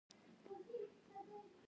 دعا د هر مشکل حل دی.